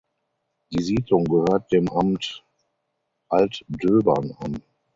Die Siedlung gehört dem Amt Altdöbern an.